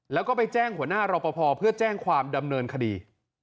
แล้วก็ไปแจ้งหัวหน้ารอปภเพื่อแจ้งความดำเนินคดี